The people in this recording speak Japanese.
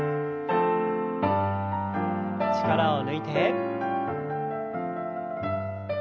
力を抜いて。